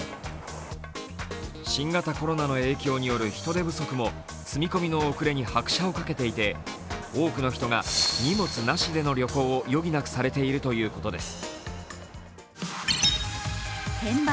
新型コロナの影響による人手不足も積み込みの遅れに拍車をかけていて多くの人が荷物なしでの旅行を余儀なくされていると言うことです。